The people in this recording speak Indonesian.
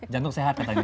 jantung sehat katanya